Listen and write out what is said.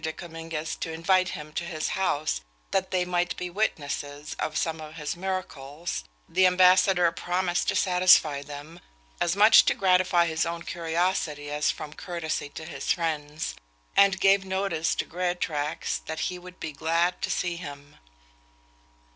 de Comminges to invite him to his house, that they might be witnesses of some of his miracles, the ambassador promised to satisfy them, as much to gratify his own curiosity as from courtesy to his friends; and gave notice to Greatraks that he would be glad to see him.